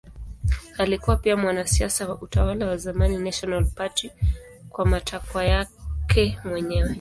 Alikuwa pia mwanasiasa wa utawala wa zamani National Party kwa matakwa yake mwenyewe.